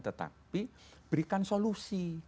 tetapi berikan solusi